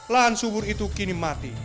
lahan subur itu kini mati